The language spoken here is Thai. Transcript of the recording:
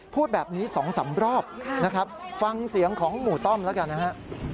พูดแบบนี้๒๓รอบนะครับฟังเสียงของหมู่ต้อมแล้วกันนะฮะ